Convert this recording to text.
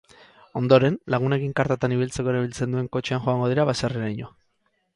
Ondoren, lagunekin kartatan ibiltzeko erabiltzen duen kotxean joango dira baserriraino.